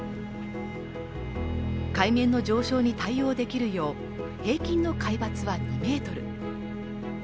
海面の上昇に対応できるよう平均の海抜は２ｍ。